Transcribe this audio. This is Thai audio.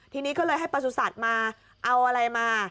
ทีนี้ก็เลยให้ประสุทธิ์มาเอาอะไรมา